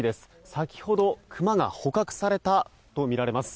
先ほどクマが捕獲されたとみられます。